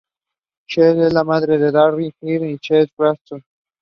Structure and agency forms an enduring core debate in sociology.